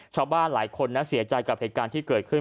ชาวบ้านหลายคนเสียใจกับเหตุการณ์ที่เกิดขึ้น